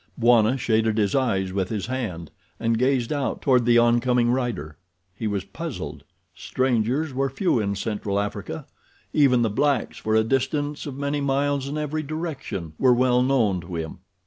Bwana shaded his eyes with his hand and gazed out toward the oncoming rider. He was puzzled. Strangers were few in Central Africa. Even the blacks for a distance of many miles in every direction were well known to him.